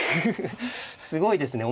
すごいですね。